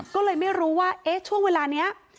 ก็เลยไม่รู้ว่าช่วงเวลานี้